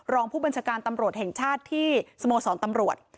รองผู้บัญชาการตำรวจแห่งชาติที่สโมสรตำรวจ